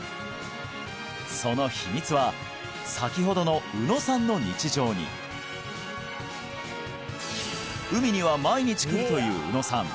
その秘密は先ほどの宇野さんの日常に海には毎日来るという宇野さん